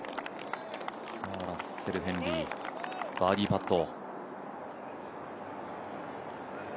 ラッセル・ヘンリーバーディーパット。